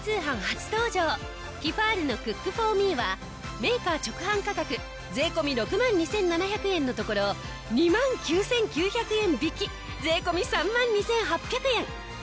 初登場ティファールのクックフォーミーはメーカー直販価格税込６万２７００円のところ２万９９００円引き税込３万２８００円！